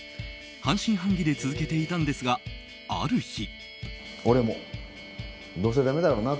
半信半疑で続けていたんですがある日。